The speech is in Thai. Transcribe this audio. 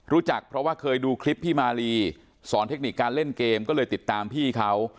รู้จักเพราะว่าเคยดูคลิปพี่มาลีสอนเทคนิคการเล่นเกมก็เลยติดตามพี่เขา